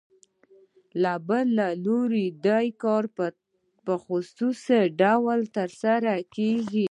له بل لوري د دوی کار په خصوصي ډول ترسره کېږي